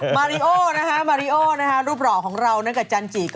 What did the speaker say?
มาริโอนะฮะรูปหล่อของเรากับจันจี